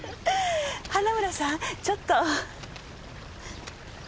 花村さんちょっと。